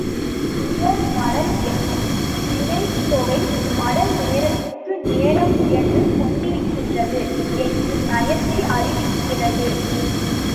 உயர் மடல் என்னும் வினைத்தொகை, மடல் நேரத்துக்கு நேரம் உயர்ந்து கொண்டிருக்கின்றது என்னும் நயத்தை அறிவிக்கிறது.